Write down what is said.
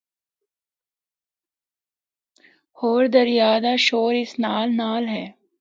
ہور دریا دا شور اس نال نال ہے۔